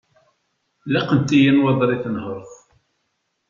Laqent-iyi nnwaḍer i tenhert.